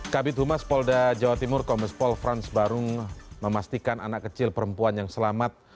kabit humas polda jawa timur kombespol frans barung memastikan anak kecil perempuan yang selamat